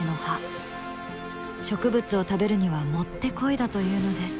植物を食べるにはもってこいだというのです。